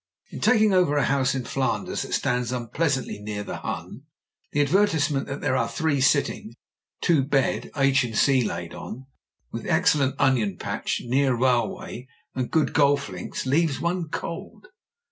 In taking over a house in Flanders that stands unpleasantly near the Hun, the advertisement that there are three sitting, two bed, h. and c. laid on, with excellent onion patch, near railway and good golf links, leaves one cold.